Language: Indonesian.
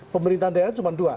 pemerintahan daerah cuma dua